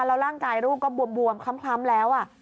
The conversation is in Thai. แล้วร่างกายลูกก็บวมคล้ำแล้ว